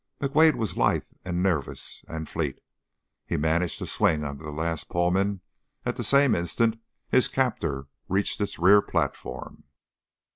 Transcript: McWade was lithe and nervous and fleet; he managed to swing under the last Pullman at the same instant his captor reached its rear platform.